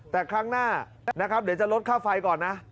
แต่ครั้งหน้านะครับเดี๋ยวจะลดค่าไฟก่อนนะ